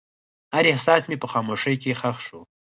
هر احساس مې په خاموشۍ کې ښخ شو.